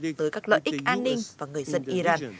tới các lợi ích an ninh và người dân iran